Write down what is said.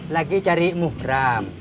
lagi cari muhram